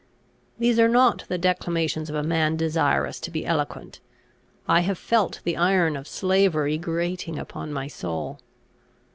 These are not the declamations of a man desirous to be eloquent. I have felt the iron of slavery grating upon my soul.